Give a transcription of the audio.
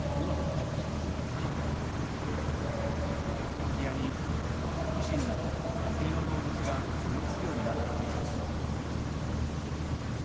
空き家にハクビシンなど野生の動物が住み着くようになったといいます。